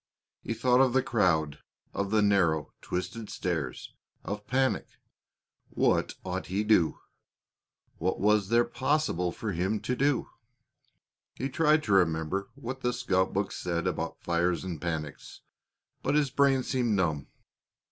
He thought of the crowd, of the narrow, twisted stairs, of panic. What ought he do? What was there possible for him to do? He tried to remember what the scout book said about fires and panics, but his brain seemed numb.